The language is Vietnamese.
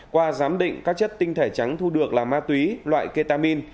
qua giám định các chất tinh thể trắng thu được là ma túy loại ketamin